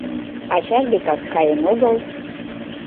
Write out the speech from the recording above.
Ачаж декак каен огыл...